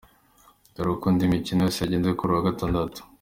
Dore uko indi mikino yagenze kuri uyu wa gatandatu:.